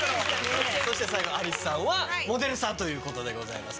そして最後アリスさんはモデルさんということでございますけど。